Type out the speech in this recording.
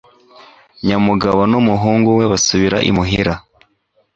Nyamugabo n'umuhungu we basubira imuhira